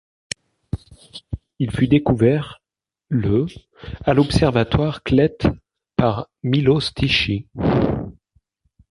Il fut découvert le à l'observatoire Kleť par Miloš Tichý.